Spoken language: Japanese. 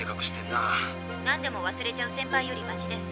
なんでも忘れちゃうセンパイよりマシです。